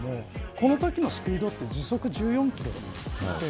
このときのスピードは時速１４キロ